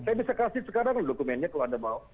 saya bisa kasih sekarang loh dokumennya kalau anda mau